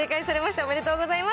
おめでとうございます。